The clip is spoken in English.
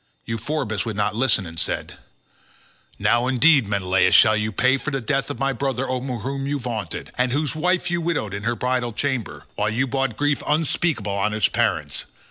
Euphorbus would not listen, and said, "Now indeed, Menelaus, shall you pay for the death of my brother over whom you vaunted, and whose wife you widowed in her bridal chamber, while you brought grief unspeakable on his parents.